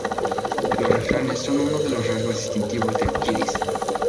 Los refranes son uno de los rasgos distintivos del yidis.